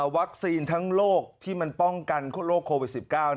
วัคซีนทั้งโลกที่มันป้องกันโลกโควิด๑๙